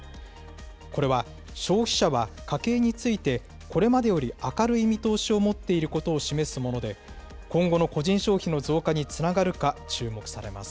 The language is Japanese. これは消費者は家計についてこれまでより明るい見通しを持っていることを示すもので、今後の個人消費の増加につながるか注目されます。